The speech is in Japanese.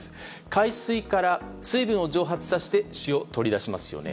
海水から水分を蒸発させて塩を取り出しますよね。